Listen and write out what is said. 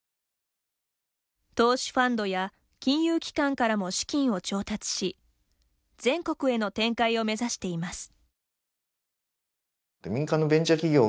投資ファンドや金融機関からも資金を調達し全国への展開を目指しています。